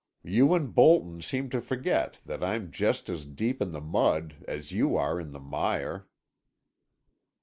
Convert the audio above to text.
You and Bolton seem to forget that I'm just as deep in the mud as you are in the mire."